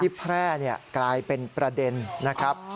แพร่กลายเป็นประเด็นนะครับ